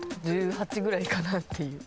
１８ぐらいかなっていう。